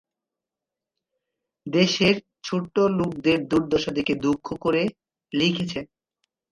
দেশের ছোটোলোকদের দুর্দশা দেখে দুঃখ করে লিখেছে।